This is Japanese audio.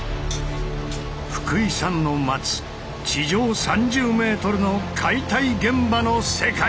福井さんの待つ地上３０ｍの解体現場の世界へ！